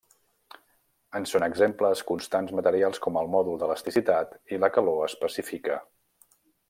En són exemples constants materials com el mòdul d'elasticitat i la calor específica.